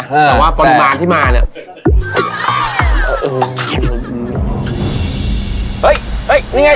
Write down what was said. แต่ว่าปริมาณที่มาเนี่ย